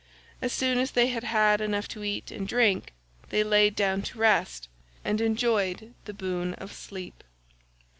As soon as they had had enough to eat and drink, they laid down to rest and enjoyed the boon of sleep.